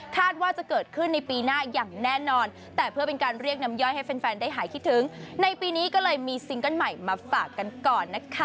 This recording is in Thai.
ว่าจะเกิดขึ้นในปีหน้าอย่างแน่นอนแต่เพื่อเป็นการเรียกน้ำย่อยให้แฟนได้หายคิดถึงในปีนี้ก็เลยมีซิงเกิ้ลใหม่มาฝากกันก่อนนะคะ